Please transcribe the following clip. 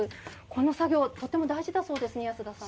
この作業とても大事だそうですね。